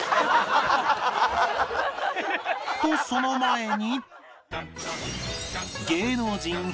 とその前に